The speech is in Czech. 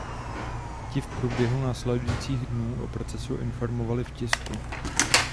Ti v průběhu následujících dnů o procesu informovali v tisku.